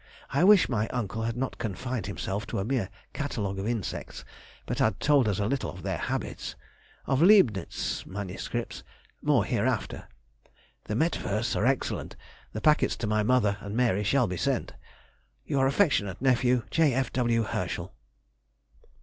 I wish my uncle had not confined himself to a mere catalogue of insects, but had told us a little of their habits. Of Leibnitz's MSS. more hereafter.... The mettwursts are excellent. The packets to my mother and Mary shall be sent.... Your affectionate nephew, J. F. W. HERSCHEL.